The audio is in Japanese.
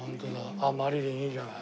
あっマリリンいいじゃない。